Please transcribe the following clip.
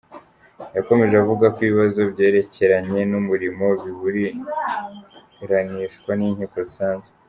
Yakomeje avuga ko ibibazo byerekeranye n’umurimo biburanishwa n’inkiko zisanzwe.